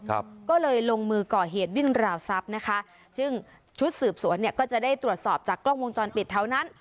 ก็เลยลงมือก่อเหตุวิ่งราวทรัพย์นะคะซึ่งชุดสืบสวนเนี่ยก็จะได้ตรวจสอบจากกล้องวงจรปิดแถวนั้น